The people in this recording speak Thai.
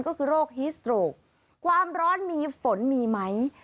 ก็คือโรคฮิสโตรกความร้อนมีฝนมีไหม